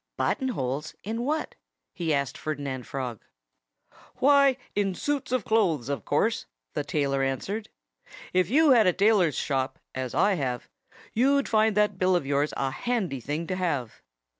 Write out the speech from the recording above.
"Button holes in what?" he asked Ferdinand Frog. "Why, in suits of clothes, of course!" the tailor answered. "If you had a tailor's shop, as I have, you'd find that bill of yours a handy thing to have.